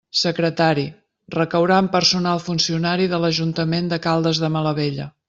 Secretari: recaurà en personal funcionari de l'Ajuntament de Caldes de Malavella.